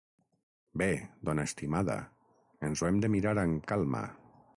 Bé, dona estimada, ens ho hem de mirar amb calma.